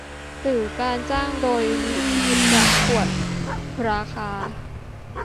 หรือการจ้างโดยวิธีประกวดราคา